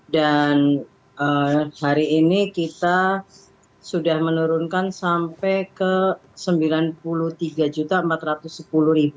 hari ini kita sudah menurunkan sampai ke rp sembilan puluh tiga empat ratus sepuluh